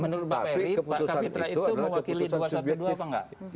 menurut pak ferry pak kapitra itu mewakili dua ratus dua belas apa enggak